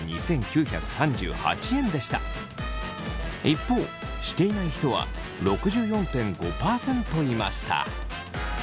一方していない人は６４．５％いました。